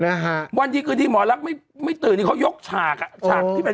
นะฮะวันดีคืนดีหมอลักษณ์ไม่ไม่ตื่นนี่เขายกฉากอ่ะฉากที่เป็น